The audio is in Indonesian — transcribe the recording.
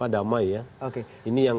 damai ya oke ini yang